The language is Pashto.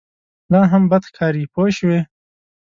لا هم بد ښکاري پوه شوې!.